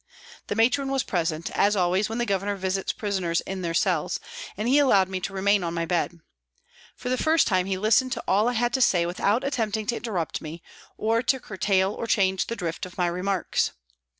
The Matron was present, as always when the Governor visits prisoners in their cells, and he allowed me to remain on my bed. For the first time he listened to all I had to say without attempting to interrupt me, or to curtail or change the drift of my remarks.